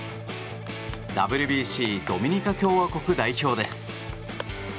ＷＢＣドミニカ共和国代表です。